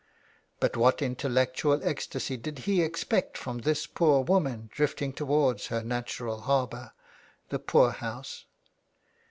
But what intellectual ecstasy did he expect from this poor woman drifting towards her natural harbour — the poor house